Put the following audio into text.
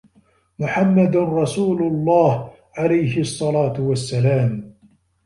محمد رسول الله، عليه الصلاة والسلام